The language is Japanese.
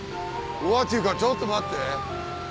うわっていうかちょっと待って。